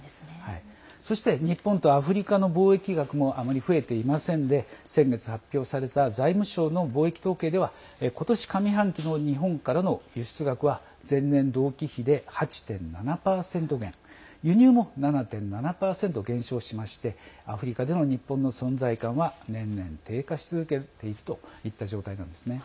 そして日本とアフリカの貿易額もあまり増えていませんで先月発表された財務省の貿易統計では今年上半期の日本からの輸出額は前年同期比で８．７％減輸入も７．７％減少しましてアフリカでの日本の存在感は年々、低下し続けているといった状態なんですね。